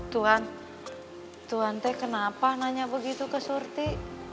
tuhan tuhan teh kenapa nanya begitu ke surti